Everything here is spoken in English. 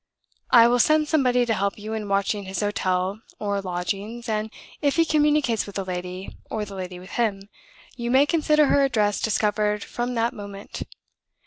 I will send somebody to help you in watching his hotel or lodgings; and if he communicates with the lady, or the lady with him, you may consider her address discovered from that moment.